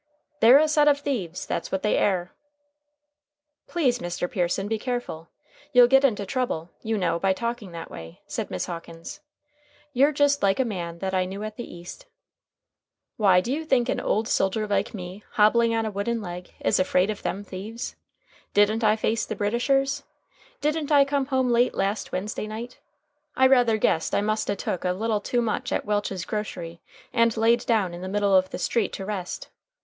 "They're a set of thieves. That's what they air." "Please, Mr. Pearson, be careful. You'll get into trouble, you know, by talking that way," said Miss Hawkins. "You're just like a man that I knew at the East." "Why, do you think an old soldier like me, hobbling on a wooden leg, is afraid of them thieves? Didn't I face the Britishers? Didn't I come home late last Wednesday night? I rather guess I must a took a little too much at Welch's grocery, and laid down in the middle of the street to rest.